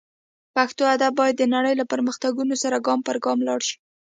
پښتو ادب باید د نړۍ له پرمختګونو سره ګام پر ګام لاړ شي